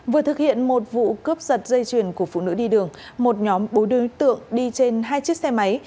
vừa thực hiện một vụ cướp giật dây chuyền của phụ nữ đi đường một nhóm bốn đối tượng đi trên hai chiếc xe máy